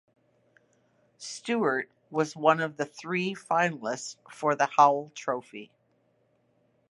Stewart was one of three finalists for the Howell Trophy.